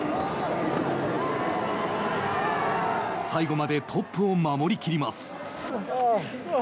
最後までトップを守りきります。